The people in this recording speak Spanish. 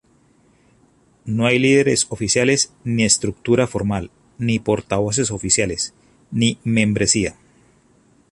No hay líderes oficiales, ni estructura formal, ni portavoces oficiales, ni membresía.